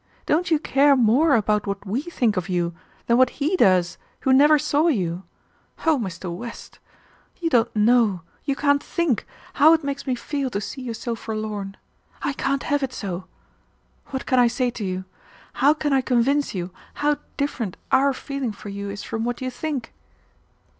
Don't you care more about what we think of you than what he does who never saw you? Oh, Mr. West! you don't know, you can't think, how it makes me feel to see you so forlorn. I can't have it so. What can I say to you? How can I convince you how different our feeling for you is from what you think?"